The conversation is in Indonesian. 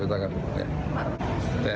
kita petakan dulu ya